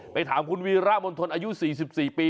ถามคุณวีระมณฑลอายุ๔๔ปี